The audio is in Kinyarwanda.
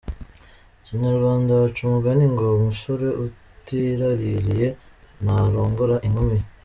Mu kinyarwanda baca umugani ngo umusore utiraririye ntarongora inkumi.